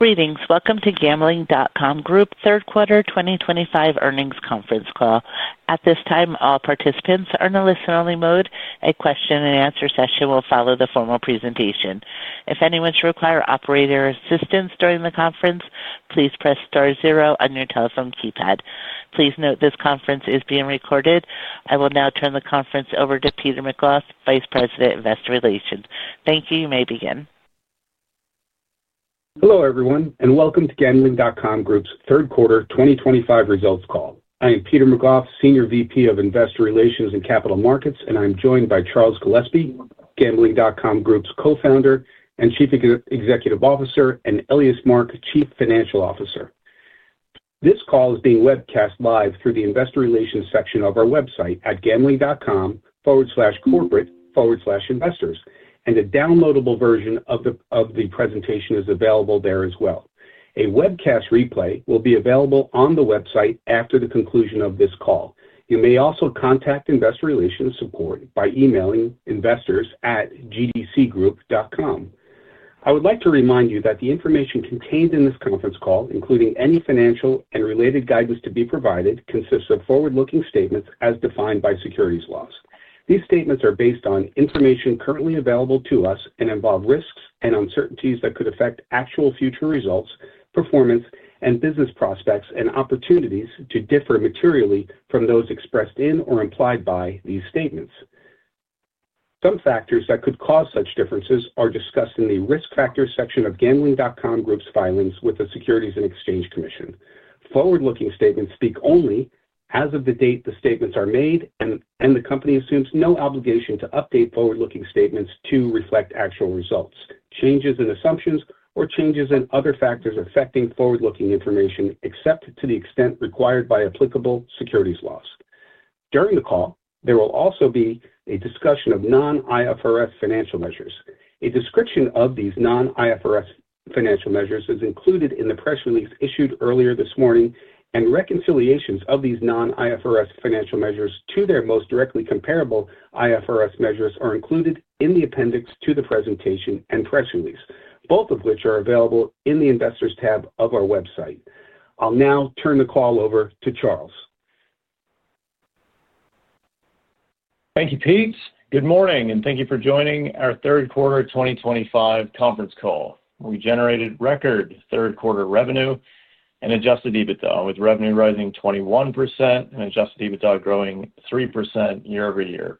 Greetings. Welcome to Gambling.com Group third quarter 2025 earnings conference call. At this time, all participants are in a listen-only mode. A question-and-answer session will follow the formal presentation. If anyone should require operator assistance during the conference, please press star zero on your telephone keypad. Please note this conference is being recorded. I will now turn the conference over to Peter McGough, Vice President, Investor Relations. Thank you. You may begin. Hello everyone, and welcome to Gambling.com Group's third quarter 2025 results call. I am Peter McGough, Senior VP of Investor Relations and Capital Markets, and I'm joined by Charles Gillespie, Gambling.com Group's Co-founder and Chief Executive Officer, and Elias Mark, Chief Financial Officer. This call is being webcast live through the Investor Relations section of our website at gambling.com/corporate/investors, and a downloadable version of the presentation is available there as well. A webcast replay will be available on the website after the conclusion of this call. You may also contact Investor Relations Support by emailing investors@GDCgroup.com. I would like to remind you that the information contained in this conference call, including any financial and related guidance to be provided, consists of forward-looking statements as defined by securities laws. These statements are based on information currently available to us and involve risks and uncertainties that could affect actual future results, performance, and business prospects, and opportunities to differ materially from those expressed in or implied by these statements. Some factors that could cause such differences are discussed in the risk factors section of Gambling.com Group's filings with the Securities and Exchange Commission. Forward-looking statements speak only as of the date the statements are made, and the company assumes no obligation to update forward-looking statements to reflect actual results, changes in assumptions, or changes in other factors affecting forward-looking information, except to the extent required by applicable securities laws. During the call, there will also be a discussion of non-IFRS financial measures. A description of these non-IFRS financial measures is included in the press release issued earlier this morning, and reconciliations of these non-IFRS financial measures to their most directly comparable IFRS measures are included in the appendix to the presentation and press release, both of which are available in the investors tab of our website. I'll now turn the call over to Charles. Thank you, Pete. Good morning, and thank you for joining our third quarter 2025 conference call. We generated record third quarter revenue and adjusted EBITDA, with revenue rising 21% and adjusted EBITDA growing 3% year-over-year.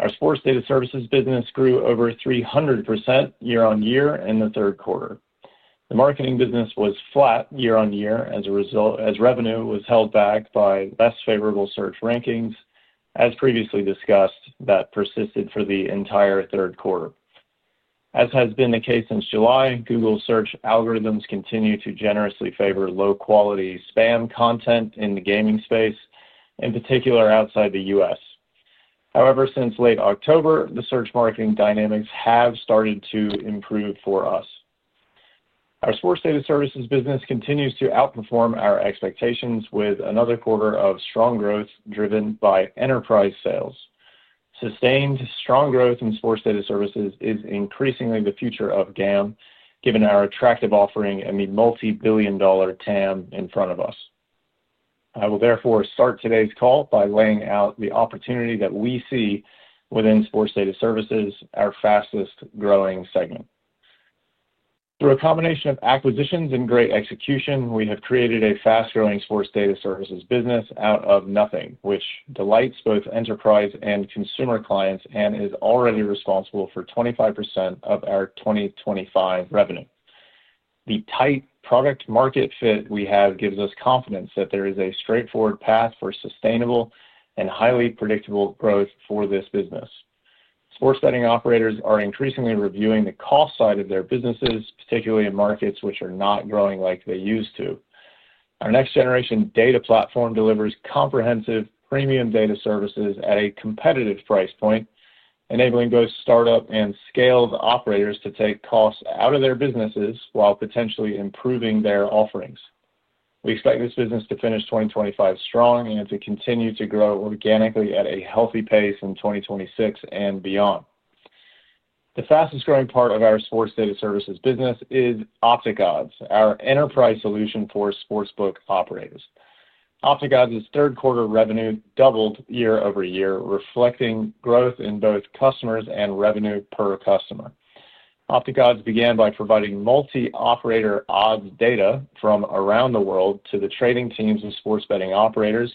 Our sports data services business grew over 300% year-on-year in the third quarter. The marketing business was flat year on year as a result, as revenue was held back by less favorable search rankings, as previously discussed, that persisted for the entire third quarter. As has been the case since July, Google search algorithms continue to generously favor low-quality spam content in the gaming space, in particular outside the U.S. However, since late October, the search marketing dynamics have started to improve for us. Our sports data services business continues to outperform our expectations, with another quarter of strong growth driven by enterprise sales. Sustained strong growth in sports data services is increasingly the future of GAMB, given our attractive offering and the multi-billion dollar TAM in front of us. I will therefore start today's call by laying out the opportunity that we see within sports data services, our fastest growing segment. Through a combination of acquisitions and great execution, we have created a fast-growing sports data services business out of nothing, which delights both enterprise and consumer clients and is already responsible for 25% of our 2025 revenue. The tight product-market fit we have gives us confidence that there is a straightforward path for sustainable and highly predictable growth for this business. Sports betting operators are increasingly reviewing the cost side of their businesses, particularly in markets which are not growing like they used to. Our next-generation data platform delivers comprehensive premium data services at a competitive price point, enabling both startup and scaled operators to take costs out of their businesses while potentially improving their offerings. We expect this business to finish 2025 strong and to continue to grow organically at a healthy pace in 2026 and beyond. The fastest growing part of our sports data services business is OpticOdds, our enterprise solution for sportsbook operators. OpticOdds' third quarter revenue doubled year-over-year, reflecting growth in both customers and revenue per customer. OpticOdds began by providing multi-operator odds data from around the world to the trading teams of sports betting operators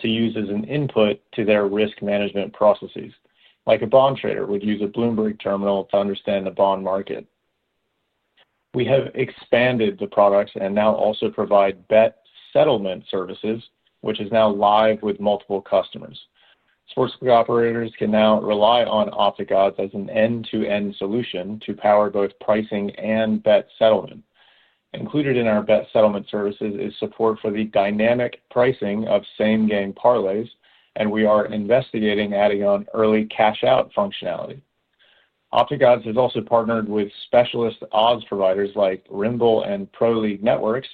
to use as an input to their risk management processes, like a bond trader would use a Bloomberg terminal to understand the bond market. We have expanded the products and now also provide bet settlement services, which is now live with multiple customers. Sportsbook operators can now rely on OpticOdds as an end-to-end solution to power both pricing and bet settlement. Included in our bet settlement services is support for the dynamic pricing of same-game parlays, and we are investigating adding on early cash-out functionality. OpticOdds has also partnered with specialist odds providers like Rithmm and Pro League Networks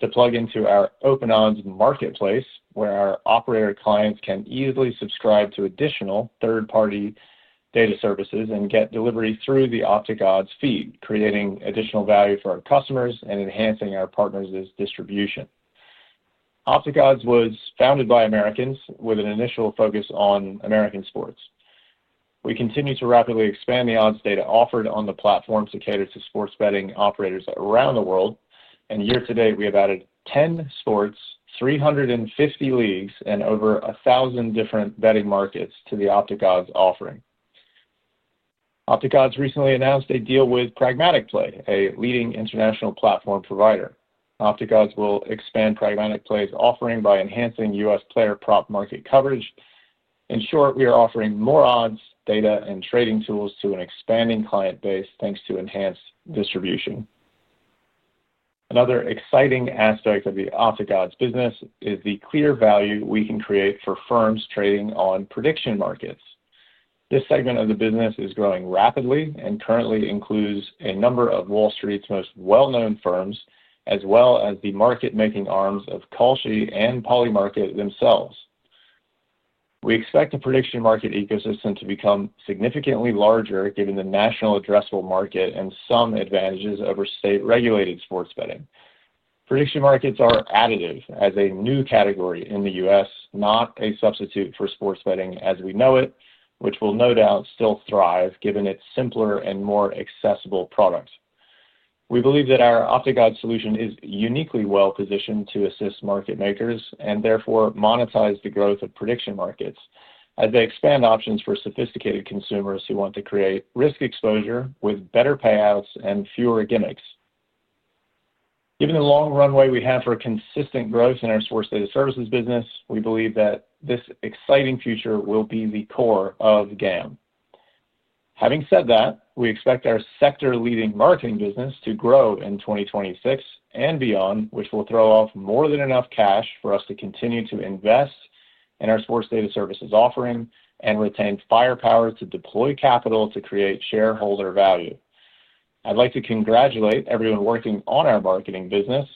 to plug into our OpenOdds Marketplace, where our operator clients can easily subscribe to additional third-party data services and get delivery through the OpticOdds feed, creating additional value for our customers and enhancing our partners' distribution. OpticOdds was founded by Americans, with an initial focus on American sports. We continue to rapidly expand the odds data offered on the platform to cater to sports betting operators around the world, and year to date we have added 10 sports, 350 leagues, and over 1,000 different betting markets to the OpticOdds offering. OpticOdds recently announced a deal with Pragmatic Play, a leading international platform provider. OpticOdds will expand Pragmatic Play's offering by enhancing U.S. player prop market coverage. In short, we are offering more odds data and trading tools to an expanding client base, thanks to enhanced distribution. Another exciting aspect of the OpticOdds business is the clear value we can create for firms trading on prediction markets. This segment of the business is growing rapidly and currently includes a number of Wall Street's most well-known firms, as well as the market-making arms of Kalshi and Polymarket themselves. We expect the prediction market ecosystem to become significantly larger, given the national addressable market and some advantages over state-regulated sports betting. Prediction markets are additive as a new category in the U.S., not a substitute for sports betting as we know it, which will no doubt still thrive given its simpler and more accessible products. We believe that our OpticOdds solution is uniquely well-positioned to assist market makers and therefore monetize the growth of prediction markets as they expand options for sophisticated consumers who want to create risk exposure with better payouts and fewer gimmicks. Given the long runway we have for consistent growth in our sports data services business, we believe that this exciting future will be the core of GAMB. Having said that, we expect our sector-leading marketing business to grow in 2026 and beyond, which will throw off more than enough cash for us to continue to invest in our sports data services offering and retain firepower to deploy capital to create shareholder value. I'd like to congratulate everyone working on our marketing business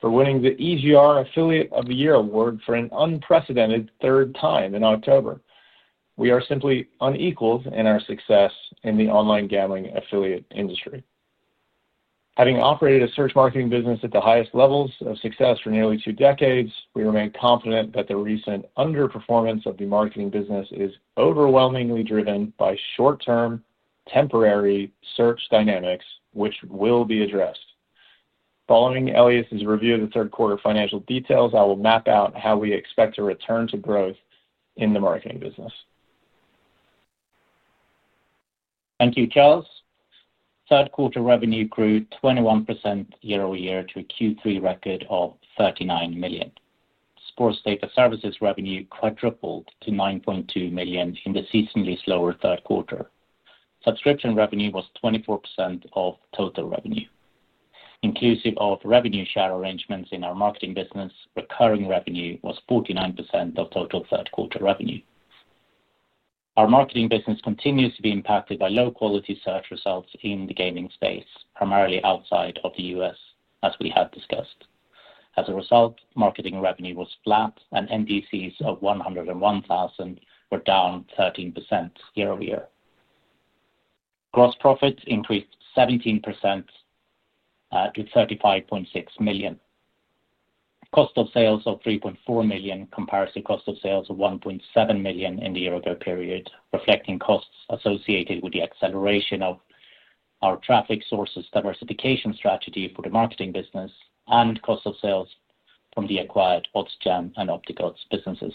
for winning the EGR Affiliate of the Year award for an unprecedented third time in October. We are simply unequaled in our success in the online gambling affiliate industry. Having operated a search marketing business at the highest levels of success for nearly two decades, we remain confident that the recent underperformance of the marketing business is overwhelmingly driven by short-term temporary search dynamics, which will be addressed. Following Elias's review of the third quarter financial details, I will map out how we expect to return to growth in the marketing business. Thank you, Charles. Third quarter revenue grew 21% year-over-year to a Q3 record of $39 million. Sports data services revenue quadrupled to $9.2 million in the seasonally slower third quarter. Subscription revenue was 24% of total revenue. Inclusive of revenue share arrangements in our marketing business, recurring revenue was 49% of total third quarter revenue. Our marketing business continues to be impacted by low-quality search results in the gaming space, primarily outside of the U.S., as we have discussed. As a result, marketing revenue was flat, and NDCs of 101,000 were down 13% year-over-year. Gross profits increased 17% to $35.6 million. Cost of sales of $3.4 million compares to cost of sales of $1.7 million in the year-ago period, reflecting costs associated with the acceleration of our traffic sources diversification strategy for the marketing business and cost of sales from the acquired OddsJam and OpticOdds businesses.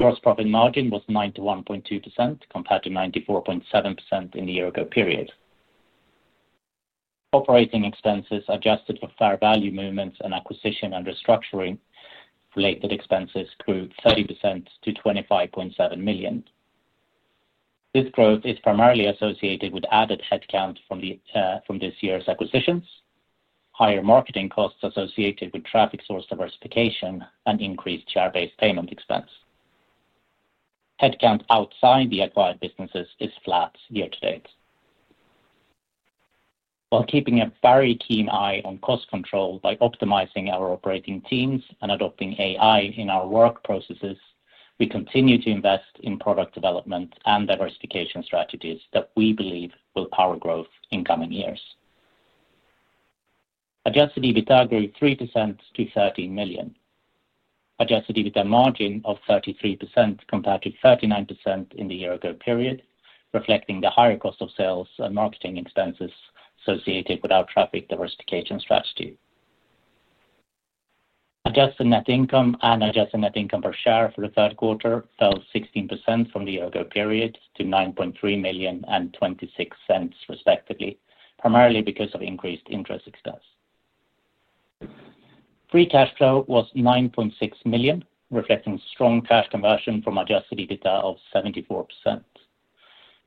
Gross profit margin was 91.2% compared to 94.7% in the year-ago period. Operating expenses adjusted for fair value movements and acquisition and restructuring-related expenses grew 30% to $25.7 million. This growth is primarily associated with added headcount from this year's acquisitions, higher marketing costs associated with traffic source diversification, and increased share-based payment expense. Headcount outside the acquired businesses is flat year to date. While keeping a very keen eye on cost control by optimizing our operating teams and adopting AI in our work processes, we continue to invest in product development and diversification strategies that we believe will power growth in coming years. Adjusted EBITDA grew 3% to $13 million. Adjusted EBITDA margin of 33% compared to 39% in the year-ago period, reflecting the higher cost of sales and marketing expenses associated with our traffic diversification strategy. Adjusted net income and adjusted net income per share for the third quarter fell 16% from the year-ago period to $9.3 million and $0.26, respectively, primarily because of increased interest expense. Free cash flow was $9.6 million, reflecting strong cash conversion from adjusted EBITDA of 74%.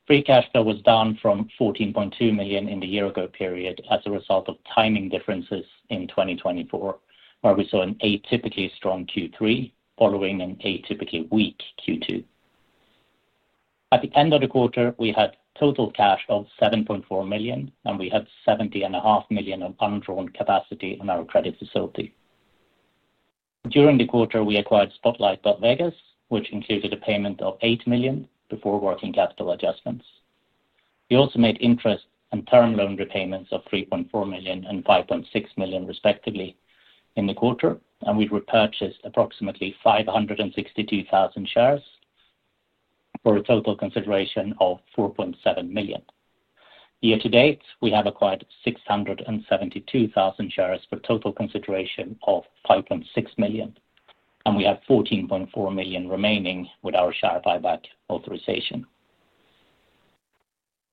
Free cash flow was down from $14.2 million in the year-ago period as a result of timing differences in 2024, where we saw an atypically strong Q3 following an atypically weak Q2. At the end of the quarter, we had total cash of $7.4 million, and we had $70.5 million of undrawn capacity in our credit facility. During the quarter, we acquired Spotlight.Vegas, which included a payment of $8 million before working capital adjustments. We also made interest and term loan repayments of $3.4 million and $5.6 million, respectively, in the quarter, and we repurchased approximately 562,000 shares for a total consideration of $4.7 million. Year to date, we have acquired 672,000 shares for a total consideration of $5.6 million, and we have $14.4 million remaining with our share buyback authorization.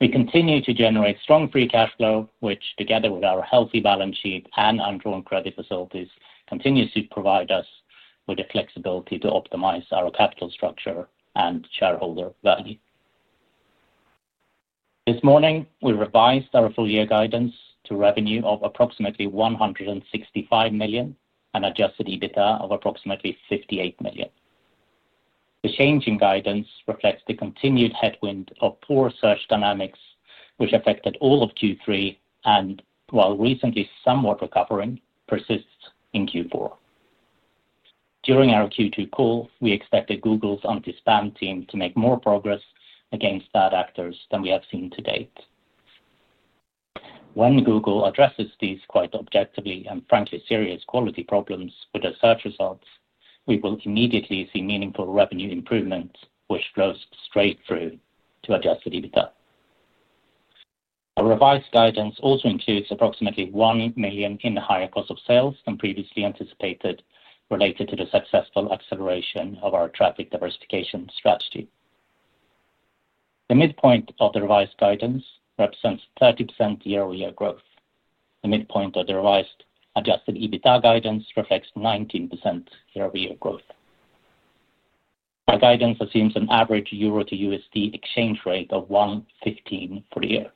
We continue to generate strong free cash flow, which, together with our healthy balance sheet and undrawn credit facilities, continues to provide us with the flexibility to optimize our capital structure and shareholder value. This morning, we revised our full-year guidance to revenue of approximately $165 million and adjusted EBITDA of approximately $58 million. The change in guidance reflects the continued headwind of poor search dynamics, which affected all of Q3 and, while recently somewhat recovering, persists in Q4. During our Q2 call, we expected Google's anti-spam team to make more progress against bad actors than we have seen to date. When Google addresses these quite objectively and frankly serious quality problems with their search results, we will immediately see meaningful revenue improvement, which flows straight through to adjusted EBITDA. Our revised guidance also includes approximately $1 million in the higher cost of sales than previously anticipated, related to the successful acceleration of our traffic diversification strategy. The midpoint of the revised guidance represents 30% year-over-year growth. The midpoint of the revised adjusted EBITDA guidance reflects 19% year-over-year growth. Our guidance assumes an average Euro to USD exchange rate of 1.15 for the year.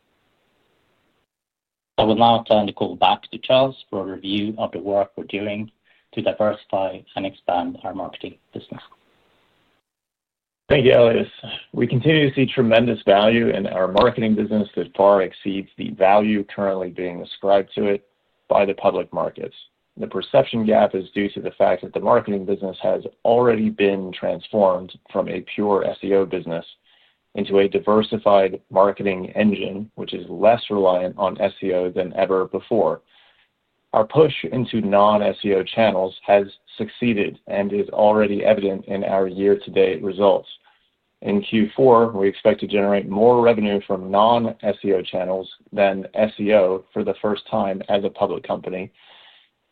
I will now turn the call back to Charles for a review of the work we're doing to diversify and expand our marketing business. Thank you, Elias. We continue to see tremendous value in our marketing business that far exceeds the value currently being ascribed to it by the public markets. The perception gap is due to the fact that the marketing business has already been transformed from a pure SEO business into a diversified marketing engine, which is less reliant on SEO than ever before. Our push into non-SEO channels has succeeded and is already evident in our year-to-date results. In Q4, we expect to generate more revenue from non-SEO channels than SEO for the first time as a public company.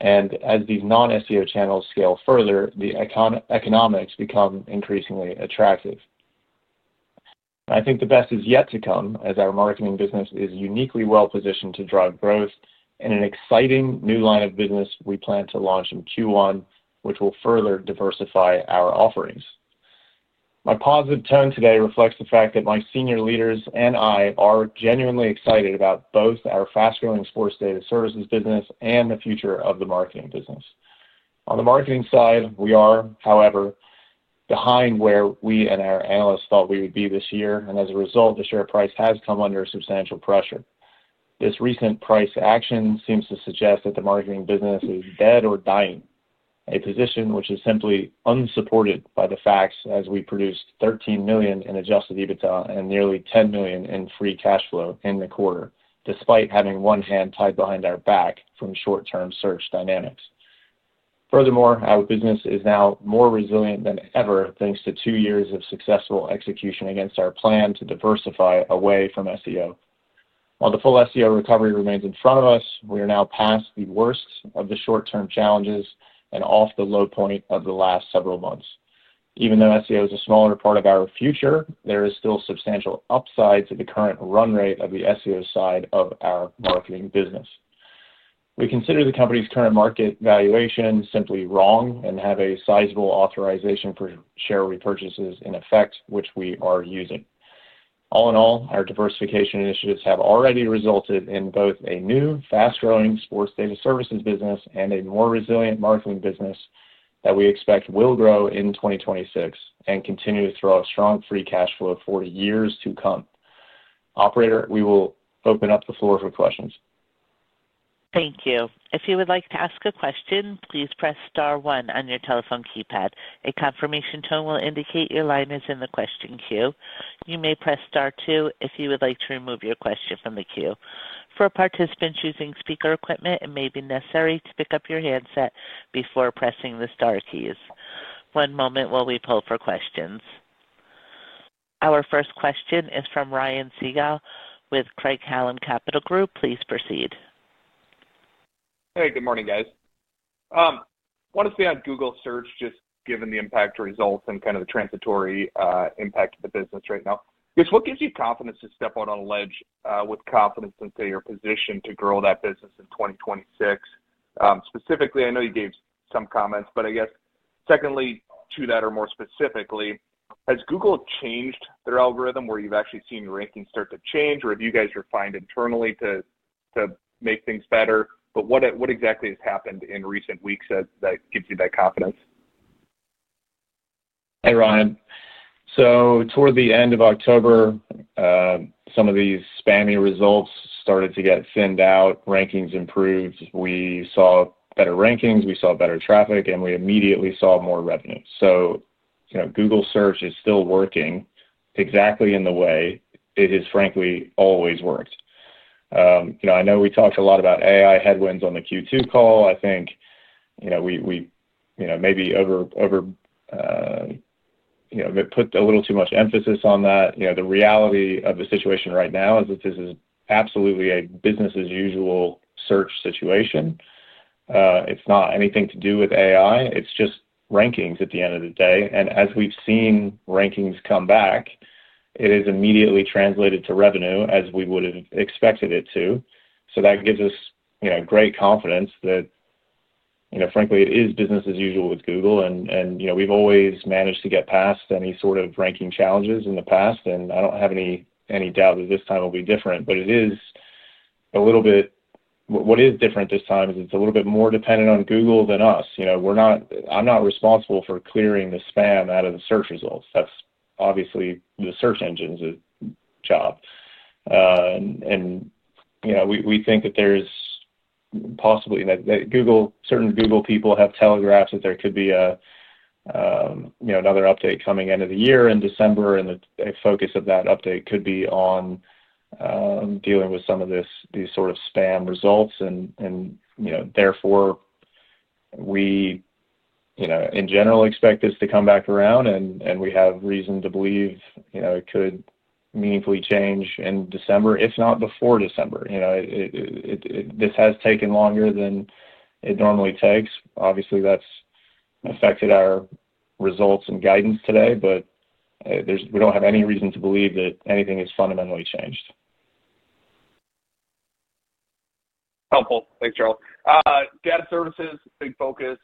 As these non-SEO channels scale further, the economics become increasingly attractive. I think the best is yet to come as our marketing business is uniquely well-positioned to drive growth in an exciting new line of business we plan to launch in Q1, which will further diversify our offerings. My positive tone today reflects the fact that my senior leaders and I are genuinely excited about both our fast-growing sports data services business and the future of the marketing business. On the marketing side, we are, however, behind where we and our analysts thought we would be this year, and as a result, the share price has come under substantial pressure. This recent price action seems to suggest that the marketing business is dead or dying, a position which is simply unsupported by the facts as we produced $13 million in adjusted EBITDA and nearly $10 million in free cash flow in the quarter, despite having one hand tied behind our back from short-term search dynamics. Furthermore, our business is now more resilient than ever thanks to two years of successful execution against our plan to diversify away from SEO. While the full SEO recovery remains in front of us, we are now past the worst of the short-term challenges and off the low point of the last several months. Even though SEO is a smaller part of our future, there is still substantial upside to the current run rate of the SEO side of our marketing business. We consider the company's current market valuation simply wrong and have a sizable authorization for share repurchases in effect, which we are using. All in all, our diversification initiatives have already resulted in both a new, fast-growing sports data services business and a more resilient marketing business that we expect will grow in 2026 and continue to throw a strong free cash flow for years to come. Operator, we will open up the floor for questions. Thank you. If you would like to ask a question, please press star one on your telephone keypad. A confirmation tone will indicate your line is in the question queue. You may press star two if you would like to remove your question from the queue. For participants using speaker equipment, it may be necessary to pick up your handset before pressing the Star keys. One moment while we pull for questions. Our first question is from Ryan Sigdahl with Craig-Hallum Capital Group. Please proceed. Hey, good morning, guys. I want to see on Google search, just given the impact results and kind of the transitory impact of the business right now. I guess, what gives you confidence to step out on a ledge with confidence into your position to grow that business in 2026? Specifically, I know you gave some comments, I guess, secondly to that, or more specifically, has Google changed their algorithm where you've actually seen rankings start to change, or have you guys refined internally to make things better? What exactly has happened in recent weeks that gives you that confidence? Hey, Ryan. Toward the end of October, some of these spammy results started to get thinned out. Rankings improved. We saw better rankings. We saw better traffic, and we immediately saw more revenue. Google search is still working exactly in the way it has, frankly, always worked. I know we talked a lot about AI headwinds on the Q2 call. I think we maybe put a little too much emphasis on that. The reality of the situation right now is that this is absolutely a business-as-usual search situation. It is not anything to do with AI. It is just rankings at the end of the day. As we have seen rankings come back, it has immediately translated to revenue as we would have expected it to. That gives us great confidence that, frankly, it is business as usual with Google, and we've always managed to get past any sort of ranking challenges in the past. I don't have any doubt that this time will be different. What is different this time is it's a little bit more dependent on Google than us. I'm not responsible for clearing the spam out of the search results. That's obviously the search engine's job. We think that there's possibly that certain Google people have telegraphed that there could be another update coming end of the year in December, and the focus of that update could be on dealing with some of these sort of spam results. We, in general, expect this to come back around, and we have reason to believe it could meaningfully change in December, if not before December. This has taken longer than it normally takes. Obviously, that's affected our results and guidance today, but we don't have any reason to believe that anything has fundamentally changed. Helpful. Thanks, Charles. Data services, big focus,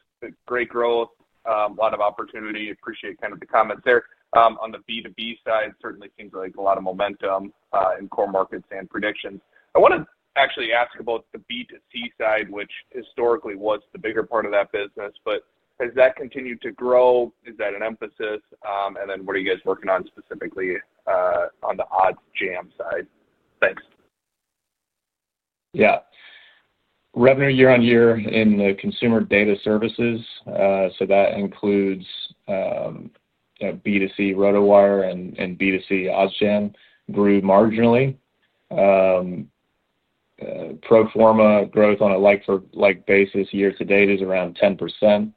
great growth, a lot of opportunity. Appreciate kind of the comments there. On the B2B side, certainly seems like a lot of momentum in core markets and predictions. I want to actually ask about the B2C side, which historically was the bigger part of that business. Has that continued to grow? Is that an emphasis? What are you guys working on specifically on the OddsJam side? Thanks. Yeah. Revenue year-on-year in the consumer data services, so that includes B2C RotoWire and B2C OddsJam, grew marginally. Proforma growth on a like-for-like basis year to date is around 10%.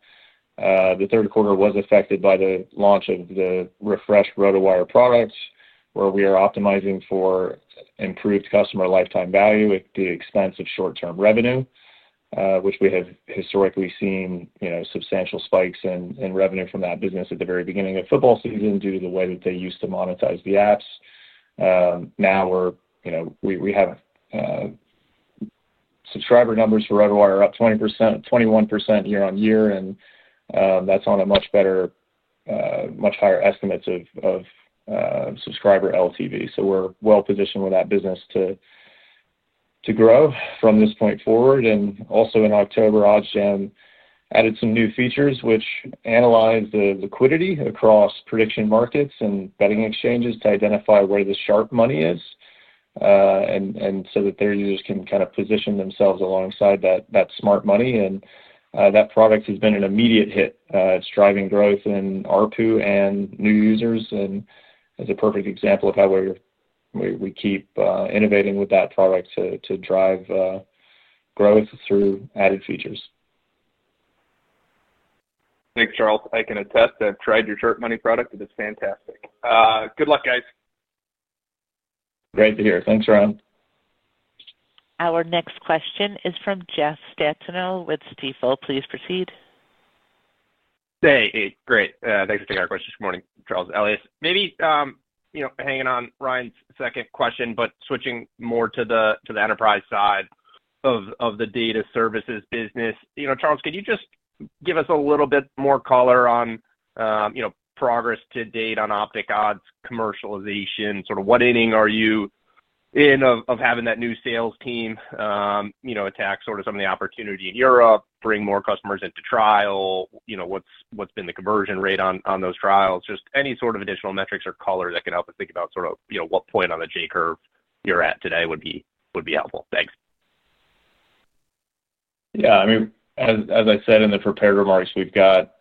The third quarter was affected by the launch of the refreshed RotoWire products, where we are optimizing for improved customer lifetime value at the expense of short-term revenue, which we have historically seen substantial spikes in revenue from that business at the very beginning of football season due to the way that they used to monetize the apps. Now we have subscriber numbers for RotoWire up 21% year-on-year, and that's on a much better, much higher estimates of subscriber LTV. So we're well-positioned with that business to grow from this point forward. Also in October, OddsJam added some new features, which analyzed the liquidity across prediction markets and betting exchanges to identify where the sharp money is so that their users can kind of position themselves alongside that smart money. That product has been an immediate hit. It is driving growth in ARPU and new users, and it is a perfect example of how we keep innovating with that product to drive growth through added features. Thanks, Charles. I can attest that I've tried your sharp money product, and it's fantastic. Good luck, guys. Great to hear. Thanks, Ryan. Our next question is from Jeff Stantial with Stifel. Please proceed. Hey, great. Thanks for taking our questions. Good morning, Charles, Elias. Maybe hanging on Ryan's second question, but switching more to the enterprise side of the data services business. Charles, could you just give us a little bit more color on progress to date on OpticOdds commercialization? Sort of what inning are you in of having that new sales team attack sort of some of the opportunity in Europe, bring more customers into trial? What's been the conversion rate on those trials? Just any sort of additional metrics or color that can help us think about sort of what point on the J curve you're at today would be helpful. Thanks. Yeah. I mean, as I said in the prepared remarks, we've got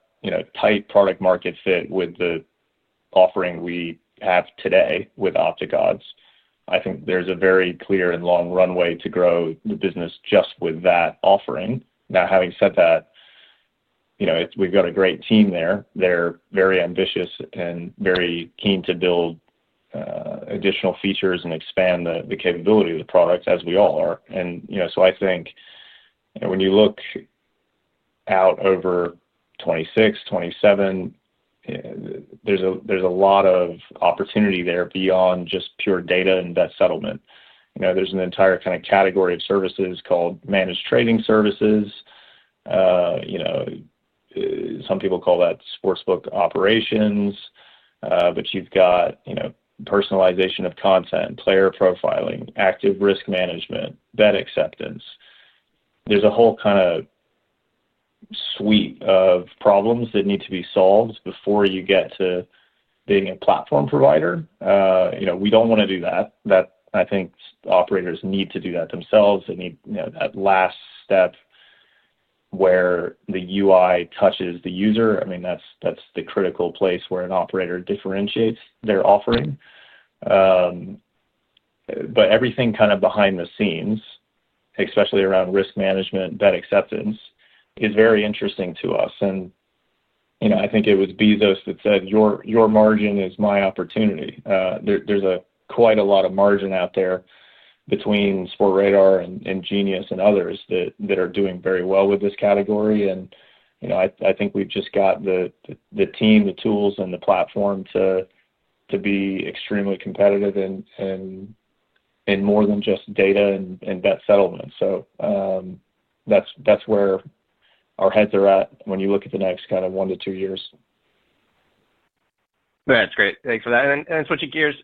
tight product-market fit with the offering we have today with OpticOdds. I think there's a very clear and long runway to grow the business just with that offering. Now, having said that, we've got a great team there. They're very ambitious and very keen to build additional features and expand the capability of the product, as we all are. I think when you look out over 2026, 2027, there's a lot of opportunity there beyond just pure data and bet settlement. There's an entire kind of category of services called managed trading services. Some people call that sportsbook operations, but you've got personalization of content, player profiling, active risk management, bet acceptance. There's a whole kind of suite of problems that need to be solved before you get to being a platform provider. We do not want to do that. I think operators need to do that themselves. They need that last step where the UI touches the user. I mean, that is the critical place where an operator differentiates their offering. Everything kind of behind the scenes, especially around risk management, bet acceptance, is very interesting to us. I think it was Bezos that said, "Your margin is my opportunity." There is quite a lot of margin out there between Sportradar and Genius and others that are doing very well with this category. I think we have just got the team, the tools, and the platform to be extremely competitive in more than just data and bet settlement. That is where our heads are at when you look at the next kind of one to two years. That's great. Thanks for that. Switching gears,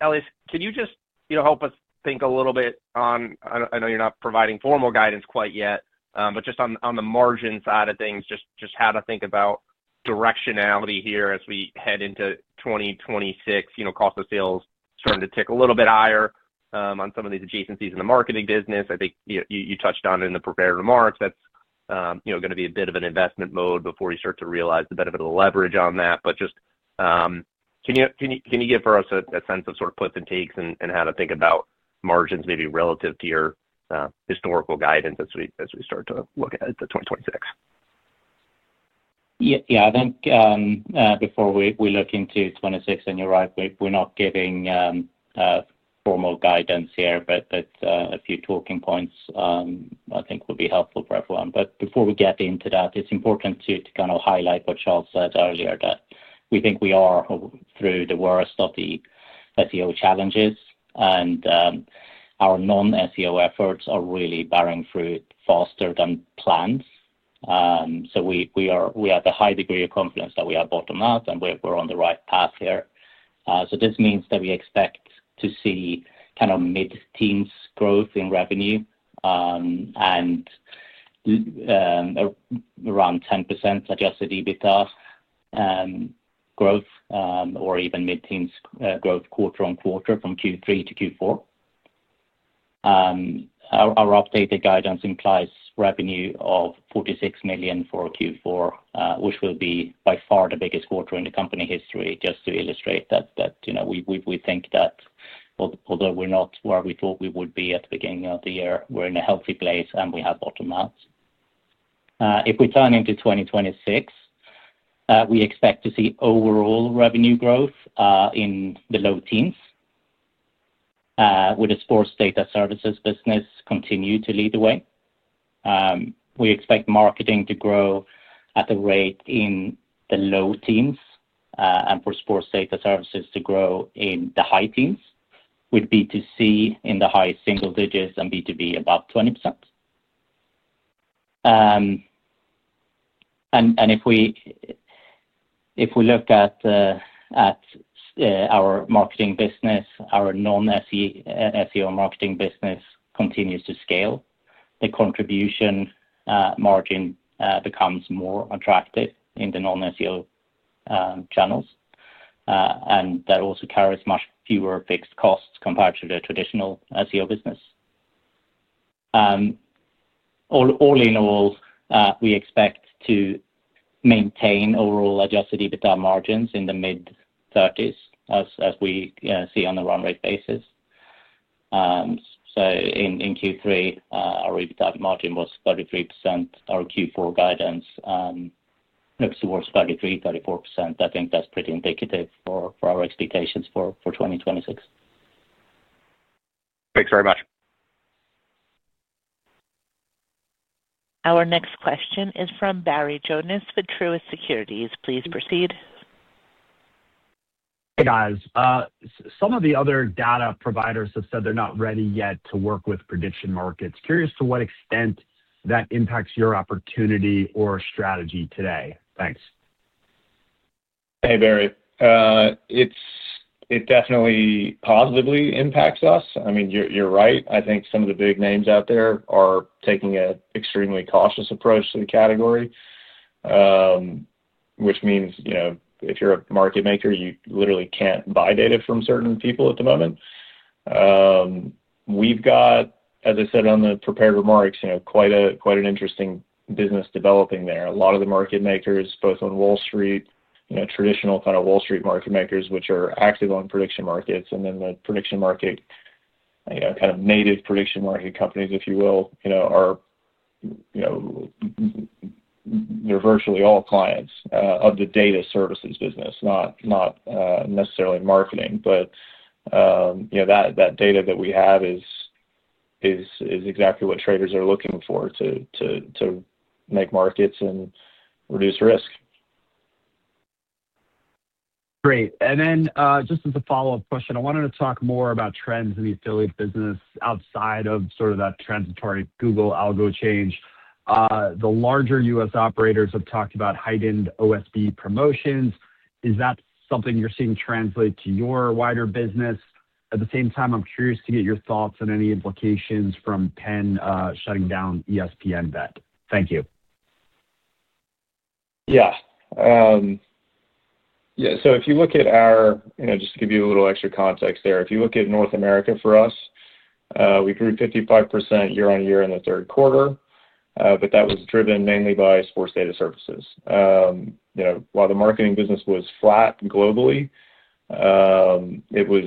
Elias, could you just help us think a little bit on—I know you're not providing formal guidance quite yet—but just on the margin side of things, just how to think about directionality here as we head into 2026. Cost of sales starting to tick a little bit higher on some of these adjacencies in the marketing business. I think you touched on it in the prepared remarks. That's going to be a bit of an investment mode before you start to realize the benefit of the leverage on that. Just can you give for us a sense of sort of puts and takes and how to think about margins maybe relative to your historical guidance as we start to look at the 2026? Yeah. I think before we look into 2026, and you're right, we're not giving formal guidance here, but a few talking points, I think, would be helpful for everyone. Before we get into that, it's important to kind of highlight what Charles said earlier, that we think we are through the worst of the SEO challenges, and our non-SEO efforts are really bearing fruit faster than planned. We have a high degree of confidence that we are bottomed out and we're on the right path here. This means that we expect to see kind of mid-teens growth in revenue and around 10% adjusted EBITDA growth, or even mid-teens growth quarter on quarter from Q3 to Q4. Our updated guidance implies revenue of $46 million for Q4, which will be by far the biggest quarter in the company history, just to illustrate that we think that although we're not where we thought we would be at the beginning of the year, we're in a healthy place and we have bottomed out. If we turn into 2026, we expect to see overall revenue growth in the low teens, with the sports data services business continuing to lead the way. We expect marketing to grow at the rate in the low teens and for sports data services to grow in the high teens, with B2C in the high single digits and B2B above 20%. If we look at our marketing business, our non-SEO marketing business continues to scale. The contribution margin becomes more attractive in the non-SEO channels, and that also carries much fewer fixed costs compared to the traditional SEO business. All in all, we expect to maintain overall adjusted EBITDA margins in the mid-30%, as we see on a runway basis. In Q3, our EBITDA margin was 33%. Our Q4 guidance looks towards 33%-34%. I think that's pretty indicative for our expectations for 2026. Thanks very much. Our next question is from Barry Jonas with Truist Securities. Please proceed. Hey, guys. Some of the other data providers have said they're not ready yet to work with prediction markets. Curious to what extent that impacts your opportunity or strategy today. Thanks. Hey, Barry. It definitely positively impacts us. I mean, you're right. I think some of the big names out there are taking an extremely cautious approach to the category, which means if you're a market maker, you literally can't buy data from certain people at the moment. We've got, as I said on the prepared remarks, quite an interesting business developing there. A lot of the market makers, both on Wall Street, traditional kind of Wall Street market makers, which are active on prediction markets, and then the prediction market, kind of native prediction market companies, if you will, are virtually all clients of the data services business, not necessarily marketing. But that data that we have is exactly what traders are looking for to make markets and reduce risk. Great. As a follow-up question, I wanted to talk more about trends in the affiliate business outside of sort of that transitory Google algo change. The larger U.S. operators have talked about heightened OSB promotions. Is that something you're seeing translate to your wider business? At the same time, I'm curious to get your thoughts on any implications from PENN shutting down ESPN BET. Thank you. Yeah. Yeah. If you look at our—just to give you a little extra context there—if you look at North America for us, we grew 55% year-on-year in the third quarter, but that was driven mainly by sports data services. While the marketing business was flat globally, it was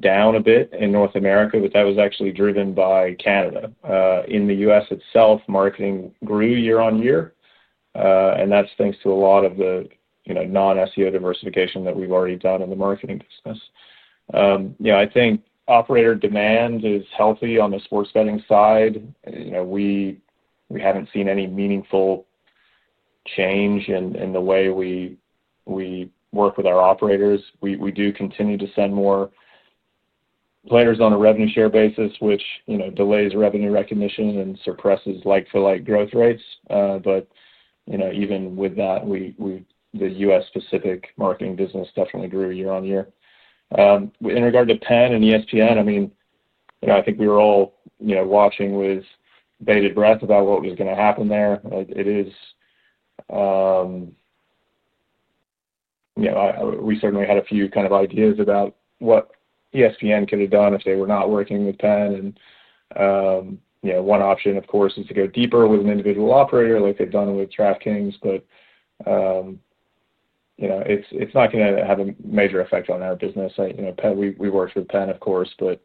down a bit in North America, but that was actually driven by Canada. In the U.S. itself, marketing grew year-on-year, and that's thanks to a lot of the non-SEO diversification that we've already done in the marketing business. I think operator demand is healthy on the sports betting side. We haven't seen any meaningful change in the way we work with our operators. We do continue to send more players on a revenue share basis, which delays revenue recognition and suppresses like-for-like growth rates. Even with that, the U.S.-specific marketing business definitely grew year-on-year. In regard to PENN and ESPN, I mean, I think we were all watching with bated breath about what was going to happen there. We certainly had a few kind of ideas about what ESPN could have done if they were not working with PENN. One option, of course, is to go deeper with an individual operator like they have done with DraftKings, but it is not going to have a major effect on our business. We worked with PENN, of course, but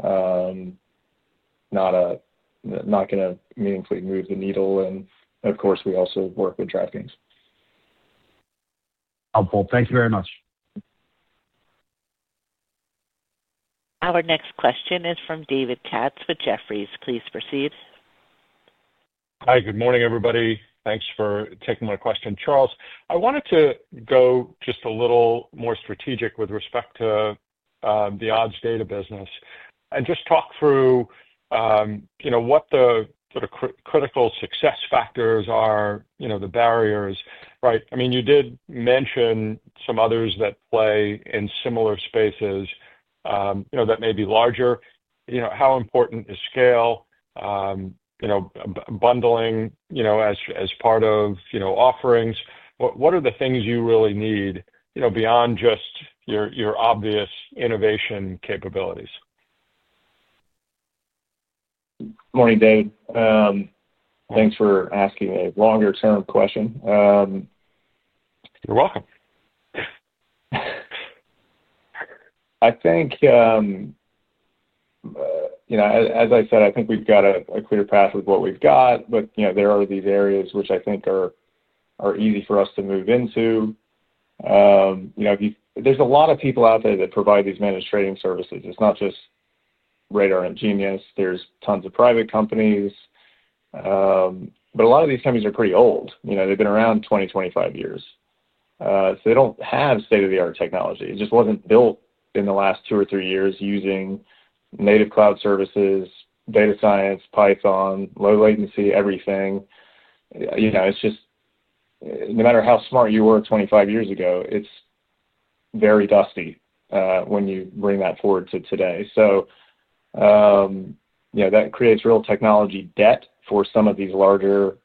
not going to meaningfully move the needle. Of course, we also work with DraftKings. Helpful. Thank you very much. Our next question is from David Katz with Jefferies. Please proceed. Hi. Good morning, everybody. Thanks for taking my question, Charles. I wanted to go just a little more strategic with respect to the odds data business and just talk through what the sort of critical success factors are, the barriers, right? I mean, you did mention some others that play in similar spaces that may be larger. How important is scale, bundling as part of offerings? What are the things you really need beyond just your obvious innovation capabilities? Good morning, David. Thanks for asking a longer-term question. You're welcome. I think, as I said, I think we've got a clear path with what we've got, but there are these areas which I think are easy for us to move into. There's a lot of people out there that provide these managed trading services. It's not just Sportradar and Genius Sports. There's tons of private companies, but a lot of these companies are pretty old. They've been around 20-25 years. So they don't have state-of-the-art technology. It just wasn't built in the last two or three years using native cloud services, data science, Python, low latency, everything. No matter how smart you were 25 years ago, it's very dusty when you bring that forward to today. That creates real technology debt for some of these larger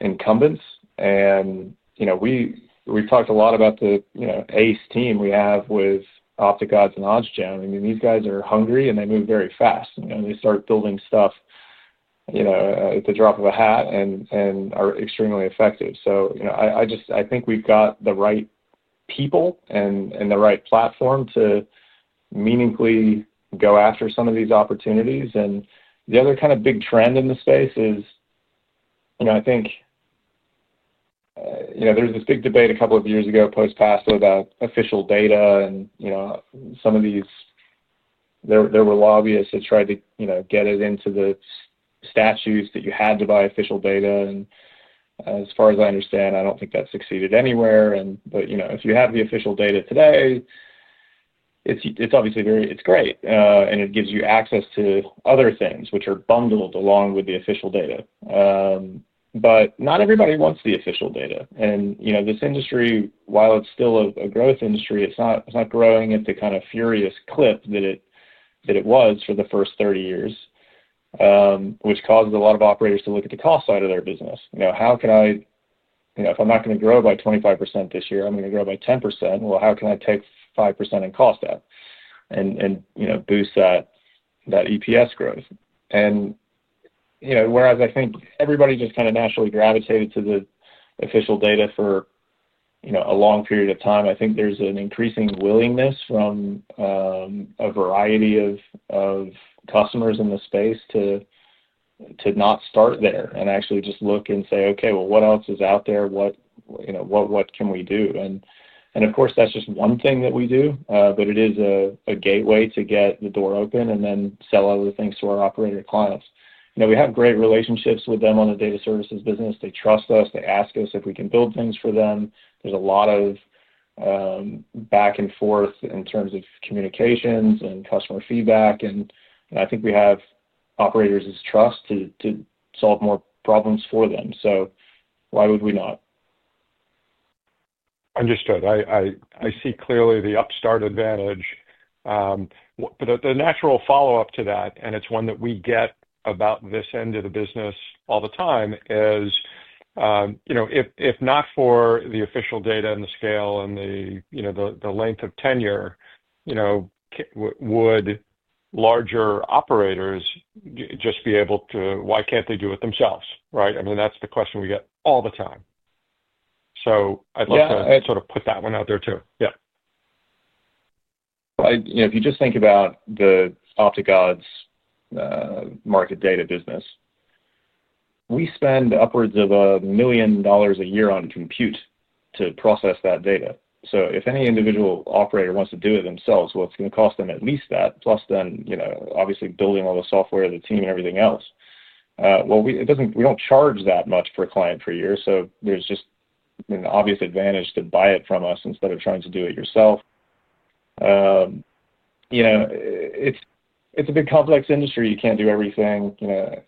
incumbents. We've talked a lot about the ace team we have with OpticOdds and OddsJam. I mean, these guys are hungry and they move very fast. They start building stuff at the drop of a hat and are extremely effective. I think we've got the right people and the right platform to meaningfully go after some of these opportunities. The other kind of big trend in the space is I think there was this big debate a couple of years ago post-PASPA about official data. Some of these, there were lobbyists that tried to get it into the statutes that you had to buy official data. As far as I understand, I don't think that succeeded anywhere. If you have the official data today, it's obviously very, it's great. It gives you access to other things which are bundled along with the official data. Not everybody wants the official data. This industry, while it's still a growth industry, is not growing at the kind of furious clip that it was for the first 30 years, which caused a lot of operators to look at the cost side of their business. How can I—if I'm not going to grow by 25% this year, I'm going to grow by 10%. How can I take 5% in cost out and boost that EPS growth? Whereas I think everybody just kind of naturally gravitated to the official data for a long period of time, I think there's an increasing willingness from a variety of customers in the space to not start there and actually just look and say, "Okay, what else is out there? What can we do? Of course, that's just one thing that we do, but it is a gateway to get the door open and then sell other things to our operator clients. We have great relationships with them on the data services business. They trust us. They ask us if we can build things for them. There's a lot of back and forth in terms of communications and customer feedback. I think we have operators' trust to solve more problems for them. Why would we not? Understood. I see clearly the upstart advantage. The natural follow-up to that, and it's one that we get about this end of the business all the time, is if not for the official data and the scale and the length of tenure, would larger operators just be able to—why can't they do it themselves? Right? I mean, that's the question we get all the time. I would love to sort of put that one out there too. Yeah. If you just think about the OpticOdds market data business, we spend upwards of $1 million a year on compute to process that data. If any individual operator wants to do it themselves, it is going to cost them at least that, plus then obviously building all the software, the team, and everything else. We do not charge that much per client per year. There is just an obvious advantage to buy it from us instead of trying to do it yourself. It is a big complex industry. You cannot do everything. I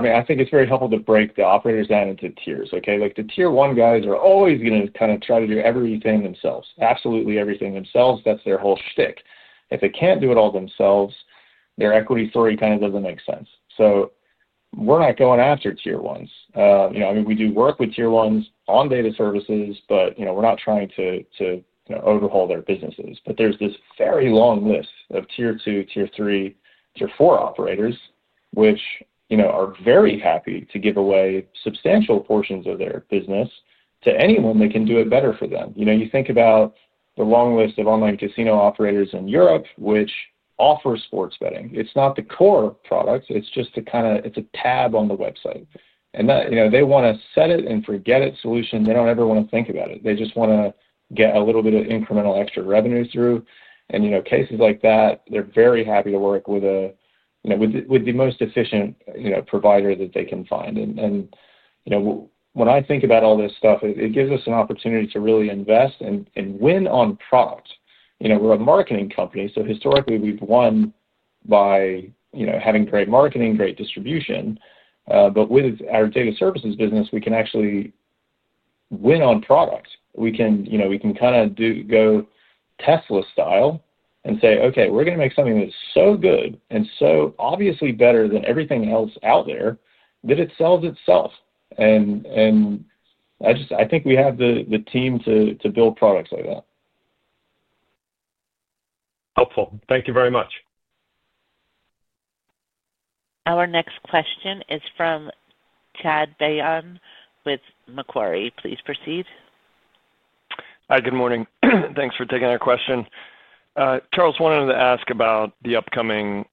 mean, I think it is very helpful to break the operators down into tiers. Okay? The tier one guys are always going to kind of try to do everything themselves, absolutely everything themselves. That is their whole shtick. If they cannot do it all themselves, their equity story kind of does not make sense. We're not going after tier ones. I mean, we do work with tier ones on data services, but we're not trying to overhaul their businesses. There is this very long list of tier two, tier three, tier four operators, which are very happy to give away substantial portions of their business to anyone that can do it better for them. You think about the long list of online casino operators in Europe, which offer sports betting. It's not the core product. It's just a kind of—it's a tab on the website. They want a set it and forget it solution. They do not ever want to think about it. They just want to get a little bit of incremental extra revenue through. In cases like that, they are very happy to work with the most efficient provider that they can find. When I think about all this stuff, it gives us an opportunity to really invest and win on profit. We are a marketing company. Historically, we have won by having great marketing, great distribution. With our data services business, we can actually win on product. We can kind of go Tesla style and say, "Okay, we are going to make something that is so good and so obviously better than everything else out there that it sells itself." I think we have the team to build products like that. Helpful. Thank you very much. Our next question is from Chad Beynon with Macquarie. Please proceed. Hi. Good morning. Thanks for taking our question. Charles, wanted to ask about the upcoming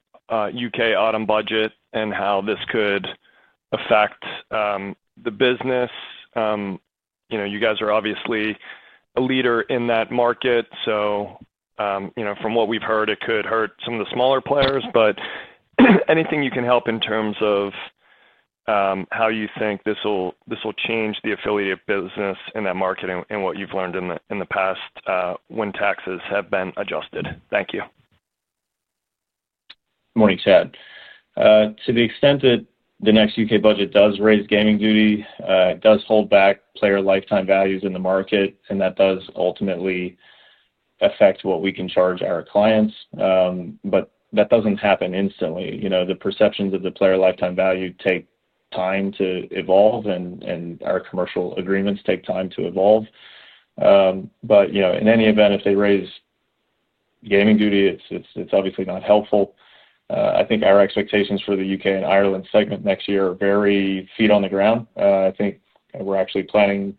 U.K. autumn budget and how this could affect the business. You guys are obviously a leader in that market. From what we've heard, it could hurt some of the smaller players. Anything you can help in terms of how you think this will change the affiliate business in that market and what you've learned in the past when taxes have been adjusted? Thank you. Good morning, Chad. To the extent that the next U.K. budget does raise gaming duty, it does hold back player lifetime values in the market, and that does ultimately affect what we can charge our clients. That does not happen instantly. The perceptions of the player lifetime value take time to evolve, and our commercial agreements take time to evolve. In any event, if they raise gaming duty, it is obviously not helpful. I think our expectations for the U.K. and Ireland segment next year are very feet on the ground. I think we are actually planning—when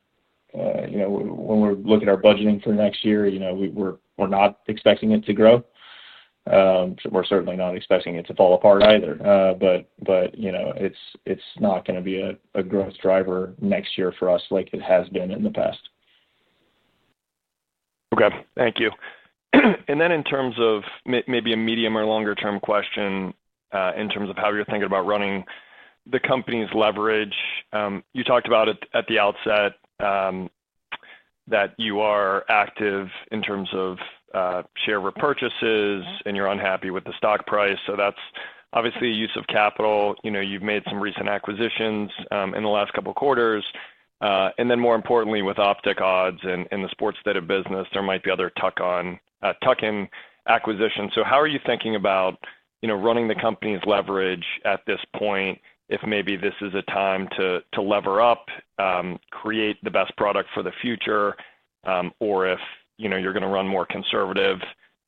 we look at our budgeting for next year, we are not expecting it to grow. We are certainly not expecting it to fall apart either. It is not going to be a growth driver next year for us like it has been in the past. Okay. Thank you. In terms of maybe a medium or longer-term question in terms of how you're thinking about running the company's leverage, you talked about at the outset that you are active in terms of share repurchases, and you're unhappy with the stock price. That is obviously a use of capital. You've made some recent acquisitions in the last couple of quarters. More importantly, with OpticOdds and the sports data business, there might be other tuck-in acquisitions. How are you thinking about running the company's leverage at this point if maybe this is a time to lever up, create the best product for the future, or if you're going to run more conservative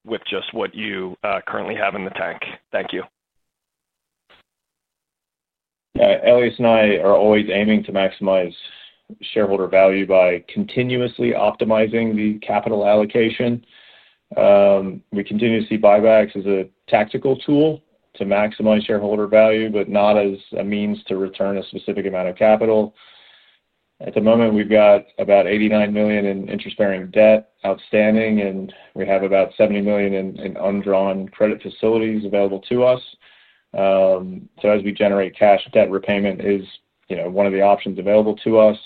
with just what you currently have in the tank? Thank you. Elias and I are always aiming to maximize shareholder value by continuously optimizing the capital allocation. We continue to see buybacks as a tactical tool to maximize shareholder value, but not as a means to return a specific amount of capital. At the moment, we've got about $89 million in interest-bearing debt outstanding, and we have about $70 million in undrawn credit facilities available to us. As we generate cash, debt repayment is one of the options available to us.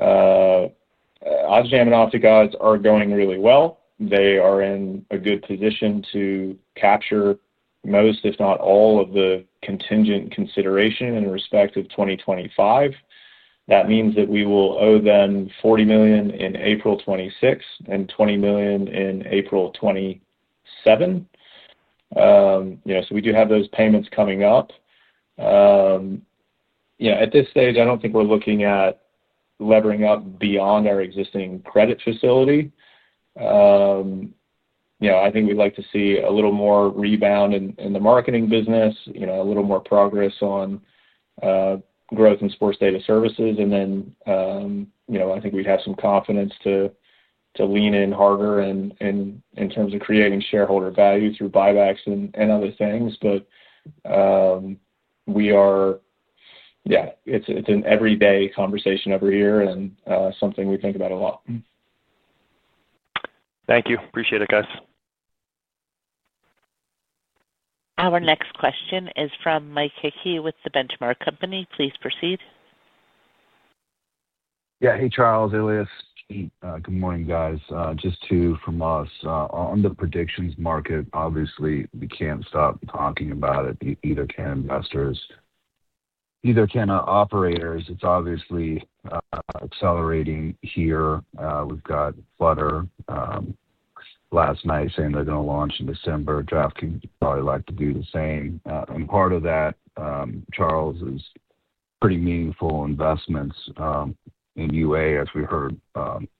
OddsJam and OpticOdds are going really well. They are in a good position to capture most, if not all, of the contingent consideration in respect of 2025. That means that we will owe them $40 million in April 2026 and $20 million in April 2027. We do have those payments coming up. At this stage, I do not think we're looking at levering up beyond our existing credit facility. I think we'd like to see a little more rebound in the marketing business, a little more progress on growth in sports data services. Then I think we'd have some confidence to lean in harder in terms of creating shareholder value through buybacks and other things. Yeah, it's an everyday conversation every year and something we think about a lot. Thank you. Appreciate it, guys. Our next question is from Mike Hickey with The Benchmark Company. Please proceed. Yeah. Hey, Charles, Elias. Good morning, guys. Just two from us. On the predictions market, obviously, we can't stop talking about it. Either can investors. Either can operators. It's obviously accelerating here. We've got Flutter last night saying they're going to launch in December. DraftKings would probably like to do the same. Part of that, Charles, is pretty meaningful investments in UA as we heard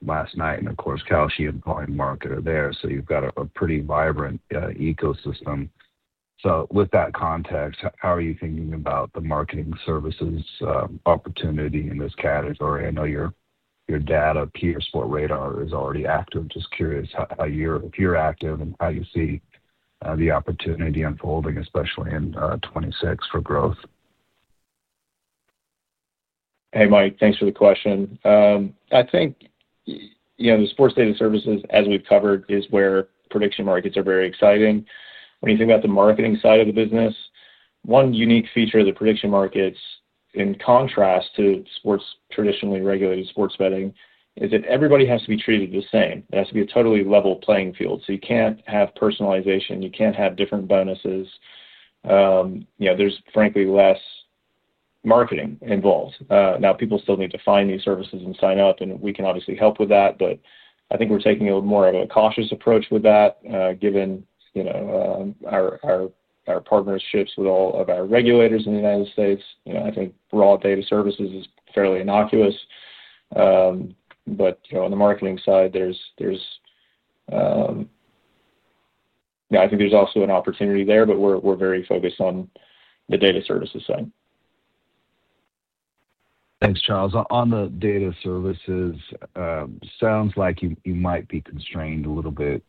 last night. Of course, Kalshi and probably Polymarket there. So you've got a pretty vibrant ecosystem. With that context, how are you thinking about the marketing services opportunity in this category? I know your data peer Sportradar is already active. Just curious if you're active and how you see the opportunity unfolding, especially in 2026 for growth. Hey, Mike. Thanks for the question. I think the sports data services, as we've covered, is where prediction markets are very exciting. When you think about the marketing side of the business, one unique feature of the prediction markets, in contrast to traditionally regulated sports betting, is that everybody has to be treated the same. There has to be a totally level playing field. You can't have personalization. You can't have different bonuses. There's, frankly, less marketing involved. Now, people still need to find these services and sign up, and we can obviously help with that. I think we're taking more of a cautious approach with that, given our partnerships with all of our regulators in the U.S. I think broad data services is fairly innocuous. On the marketing side, I think there's also an opportunity there, but we're very focused on the data services side. Thanks, Charles. On the data services, sounds like you might be constrained a little bit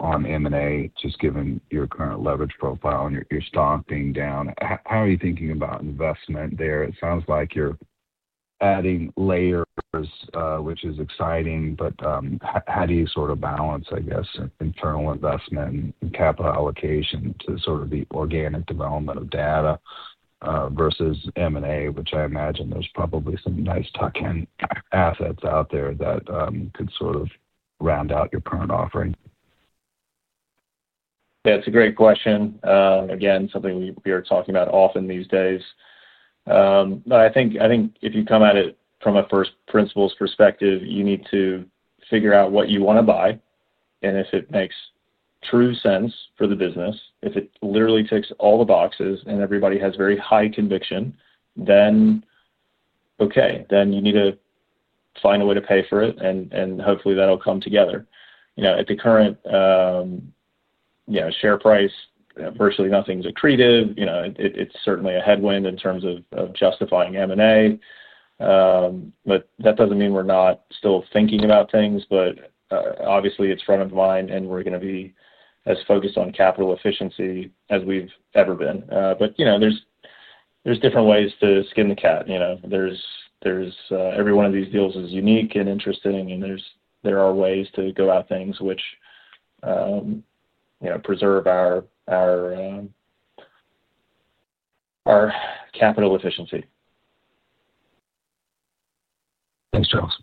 on M&A, just given your current leverage profile and your stock being down. How are you thinking about investment there? It sounds like you're adding layers, which is exciting. How do you sort of balance, I guess, internal investment and capital allocation to sort of the organic development of data versus M&A, which I imagine there's probably some nice tuck-in assets out there that could sort of round out your current offering? That's a great question. Again, something we are talking about often these days. I think if you come at it from a first principles perspective, you need to figure out what you want to buy. And if it makes true sense for the business, if it literally ticks all the boxes and everybody has very high conviction, then okay, then you need to find a way to pay for it, and hopefully that'll come together. At the current share price, virtually nothing's accretive. It's certainly a headwind in terms of justifying M&A. That doesn't mean we're not still thinking about things. Obviously, it's front of mind, and we're going to be as focused on capital efficiency as we've ever been. There's different ways to skin the cat. Every one of these deals is unique and interesting, and there are ways to go about things which preserve our capital efficiency. Thanks, Charles.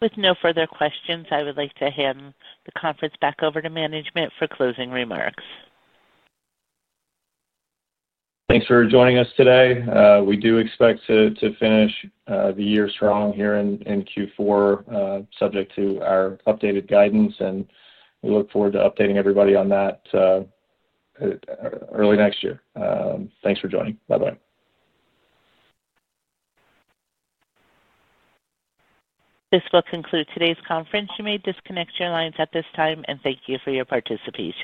With no further questions, I would like to hand the conference back over to management for closing remarks. Thanks for joining us today. We do expect to finish the year strong here in Q4, subject to our updated guidance. We look forward to updating everybody on that early next year. Thanks for joining. Bye-bye. This will conclude today's conference. You may disconnect your lines at this time, and thank you for your participation.